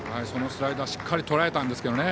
スライダーをしっかりとらえたんですけどね。